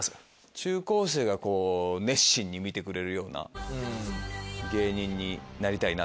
中高生が熱心に見てくれるような芸人になりたいなって。